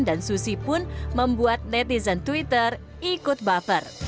dan susi pun membuat netizen twitter ikut baper